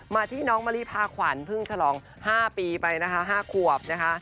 มาที่น้องมารีพาขวัญพึ่งฉลองห้าปีไปนะคะห้าขวบนะคะ